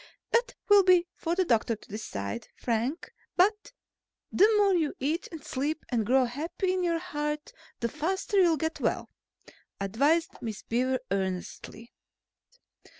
"That will be for the doctor to decide, Frank. But the more you eat and sleep and grow happy in your heart, the faster you'll get well," advised Miss Beaver earnestly.